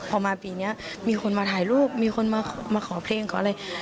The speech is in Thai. พอมาปีนี้มีคนมาถ่ายรูปมีคนมาขอเพลงขออะไร